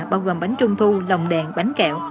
bao gồm bánh trung thu lồng đèn bánh kẹo